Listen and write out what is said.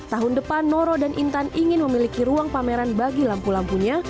tahun depan noro dan intan ingin memiliki ruang pameran bagi lampu lampunya